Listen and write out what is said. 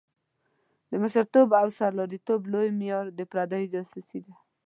د مشرتوب او سرلاري توب لوی معیار د پردو جاسوسي ده.